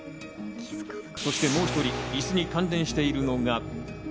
そしてもう一人、椅子に関連しているのが。